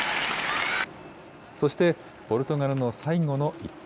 そしてポルトガルの最後の１投。